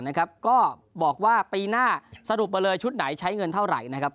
ก็บอกว่าปีหน้าสรุปมาเลยชุดไหนใช้เงินเท่าไหร่นะครับ